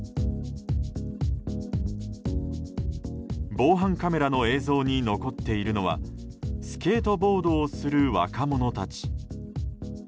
防犯カメラの映像に残っているのはスケートボードをする若者たち。